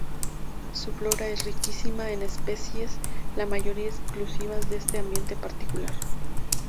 Su flora es riquísima en especies, la mayoría exclusivas de este ambiente particular.